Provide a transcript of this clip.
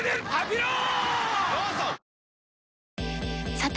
さて！